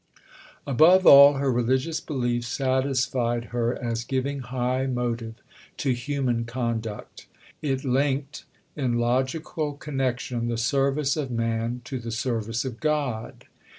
Above all, her religious belief satisfied her as giving high motive to human conduct. It linked, in logical connection, the service of man to the service of God.